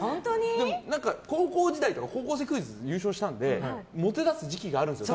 高校時代とか「高校生クイズ」で優勝したのでモテだす時期があるんですよ。